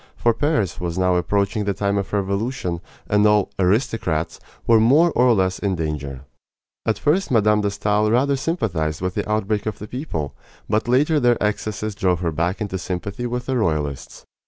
For Paris was now approaching the time of revolution, and all "aristocrats" were more or less in danger. At first Mme. de Stael rather sympathized with the outbreak of the people; but later their excesses drove her back into sympathy with the royalists.